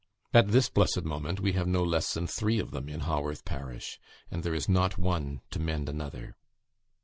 At this blessed moment, we have no less than three of them in Haworth parish and there is not one to mend another.